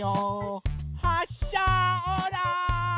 はっしゃオーライ！